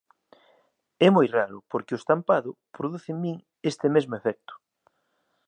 É moi raro, porque o estampado produce en min este mesmo efecto.